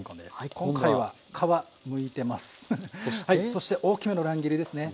はいそして大きめの乱切りですね。